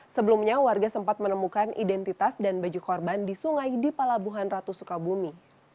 sebelumnya warga sempat menemukan identitas dan baju korban di sungai di palabuhan ratu sukabumi